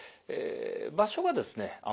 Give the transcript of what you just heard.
場所はですね